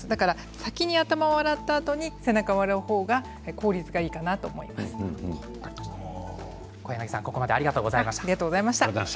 先に頭を洗ったあとに背中を洗う方が小柳さん、ここまでありがとうございました。